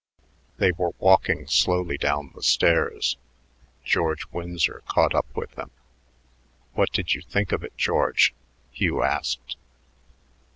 They were walking slowly down the stairs. George Winsor caught up with them. "What did you think of it, George?" Hugh asked.